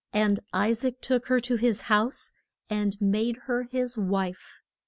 And I saac took her to his house and made her his wife.